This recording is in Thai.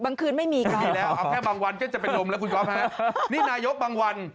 คืนไม่มีการแล้วเอาแค่บางวันก็จะเป็นลมแล้วคุณก๊อฟฮะนี่นายกบางวัน